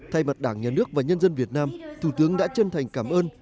thay mặt đảng nhà nước và nhân dân việt nam thủ tướng đã chân thành cảm ơn